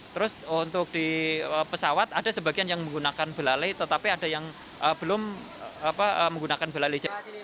terus untuk di pesawat ada sebagian yang menggunakan belalai tetapi ada yang belum menggunakan belalai